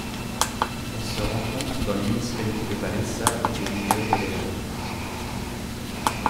Elle se rencontre dans les municipalités de Valença et de Miguel Pereira.